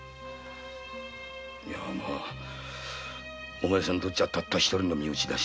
お前さんにとっちゃたった一人の身内だし。